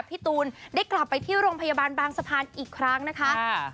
พี่ตูนได้กลับไปที่โรงพยาบาลบางสะพานอีกครั้งนะคะ